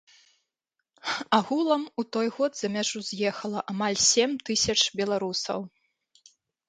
Агулам, у той год за мяжу з'ехала амаль сем тысяч беларусаў.